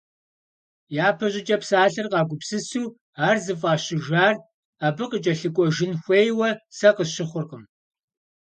Япэ щӀыкӀэ псалъэр къагупсысу ар зыфӀащыжар абы къыкӀэлъыкӀуэжын хуейуэ сэ къысщыхъуркъым.